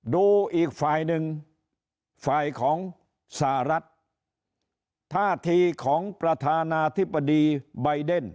ดูอีกฝ่ายหนึ่งฝ่ายของสหรัฐท่าทีของประธานาธิบดีใบเดน